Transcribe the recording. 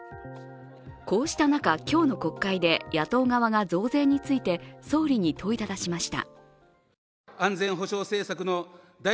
こうした中、今日の国会で野党側が増税について総理に問いただしました。